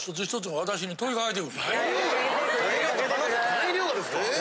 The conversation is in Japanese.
材料がですか？